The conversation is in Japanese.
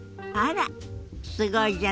すごいじゃない。